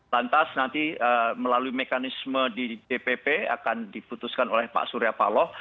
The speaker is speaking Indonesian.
lantas nanti melalui mekanisme di dpp akan diputuskan oleh pak surya paloh